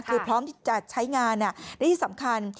คือพร้อมที่จะใช้งานและที่สำคัญ